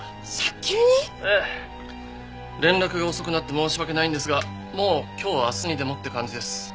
「ええ」連絡が遅くなって申し訳ないんですがもう今日明日にでもって感じです。